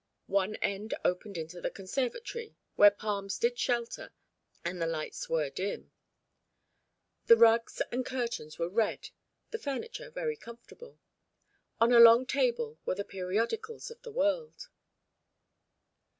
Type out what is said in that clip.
One end opened into the conservatory where palms did shelter and the lights were dim. The rugs and curtains were red, the furniture very comfortable. On a long table were the periodicals of the world.